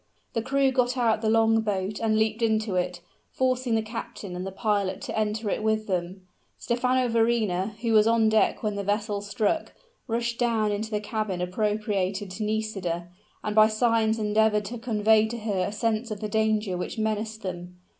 The crew got out the long boat and leaped into it, forcing the captain and the pilot to enter it with them. Stephano Verrina, who was on deck when the vessel struck, rushed down into the cabin appropriated to Nisida, and by signs endeavored to convey to her a sense of the danger which menaced them.